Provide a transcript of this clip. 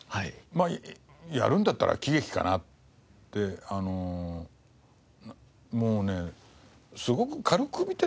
まあやるんだったら喜劇かなってあのもうねすごく軽く見てたんですよ